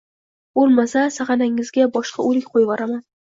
Boʻlmasa sagʻanangizga boshqa oʻlik qoʻyvoraman